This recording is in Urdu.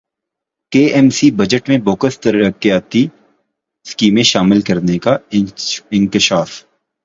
کے ایم سی بجٹ میں بوگس ترقیاتی اسکیمیں شامل کرنیکا انکشاف